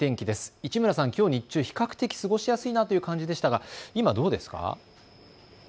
市村さん、きょう日中、比較的過ごしやすいなという感じでしたが今、どうですか。